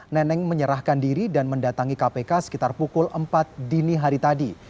neneng menyerahkan diri dan mendatangi kpk sekitar pukul empat dini hari tadi